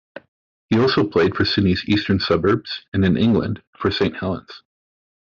He also played for Sydney's Eastern Suburbs, and in England for Saint Helens.